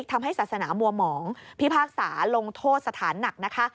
ทำให้ศาสนามัวหมองพิพากษาลงโทษสถานหนักนะคะ